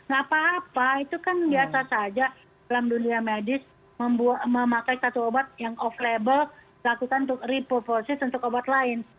gak apa apa itu kan biasa saja dalam dunia medis memakai satu obat yang off label lakukan untuk reposis untuk obat lain